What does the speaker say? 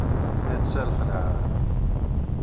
Atta lxelɛa!